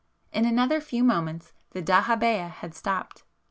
In another few moments the dahabeah had stopped.